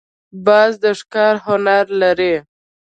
باز د ښکار هنر لري